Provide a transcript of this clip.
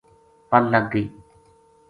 پَل لگ گئی۔